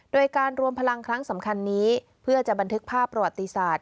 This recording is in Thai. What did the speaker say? โดยการรวมพลังครั้งสำคัญนี้เพื่อจะบันทึกภาพประวัติศาสตร์